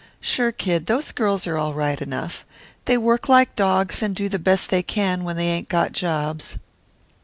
"Sure, Kid, those girls are all right enough. They work like dogs and do the best they can when they ain't got jobs.